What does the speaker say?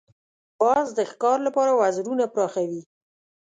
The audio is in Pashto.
باز د ښکار لپاره وزرونه پراخوي